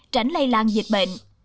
tránh lây lan dịch bệnh